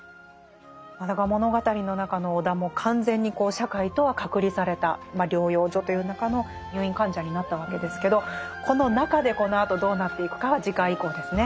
だから物語の中の尾田も完全に社会とは隔離された療養所という中の入院患者になったわけですけどこの中でこのあとどうなっていくかは次回以降ですね。